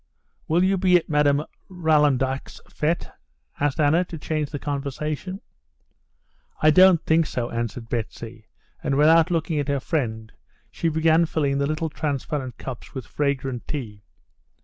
"Will you be at Madame Rolandak's fête?" asked Anna, to change the conversation. "I don't think so," answered Betsy, and, without looking at her friend, she began filling the little transparent cups with fragrant tea.